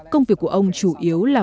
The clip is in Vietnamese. công việc của ông chủ yếu là